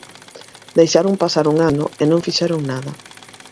Deixaron pasar un ano e non fixeron nada.